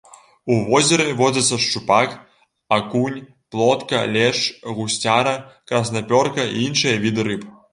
У возеры водзяцца шчупак, акунь, плотка, лешч, гусцяра, краснапёрка і іншыя віды рыб.